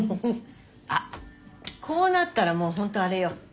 あっこうなったらもう本当あれよ。